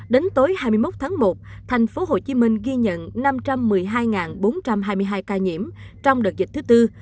đến tối hai mươi một tháng một thành phố hồ chí minh ghi nhận năm trăm một mươi hai bốn trăm hai mươi hai ca nhiễm trong đợt dịch thứ tư